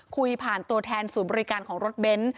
คุยผ่านตัวแทนศูนย์บริการของรถเบนท์